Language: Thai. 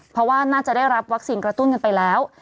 เพราะว่าน่าจะได้รับวัคซีนกระตุ้นกันไปแล้ว